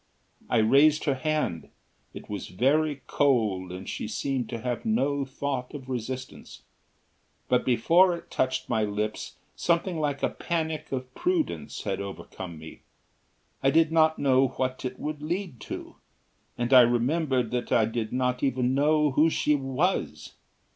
I raised her hand. It was very cold and she seemed to have no thought of resistance; but before it touched my lips something like a panic of prudence had overcome me. I did not know what it would lead to and I remembered that I did not even know who she was.